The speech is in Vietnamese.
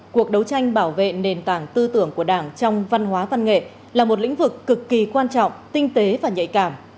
cuộc đấu tranh bảo vệ nền tảng tư tưởng của đảng trong văn hóa văn nghệ là một lĩnh vực cực kỳ quan trọng tinh tế và nhạy cảm